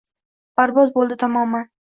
Barbod bo’ldi tamoman.